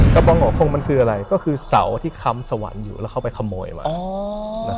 กระบองหัวโค้งมันคือสาวที่คำสวรรค์อยู่หรือเขาไปขโมยมา